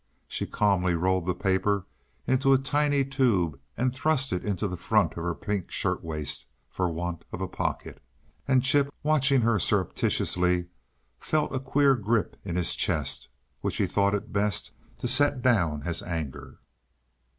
She calmly rolled the paper into a tiny tube and thrust it into the front of her pink shirt waist for want of a pocket and Chip, watching her surreptitiously, felt a queer grip in his chest, which he thought it best to set down as anger.